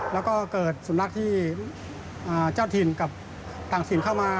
แล้วก็เกิดสุนัขที่เจ้าถิ่นกับต่างถิ่นเข้ามา